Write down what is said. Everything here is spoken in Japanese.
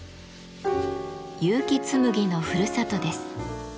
結城紬のふるさとです。